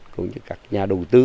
cũng như các nhà đầu tư